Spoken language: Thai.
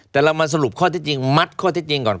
แต่เรามาสรุปข้อที่จริงมัดข้อเท็จจริงก่อน